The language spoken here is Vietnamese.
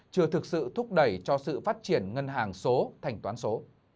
chưa thực sự thúc đẩy cho sự phát triển ngân hàng số thành toán số